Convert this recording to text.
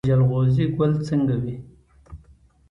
د جلغوزي ګل څنګه وي؟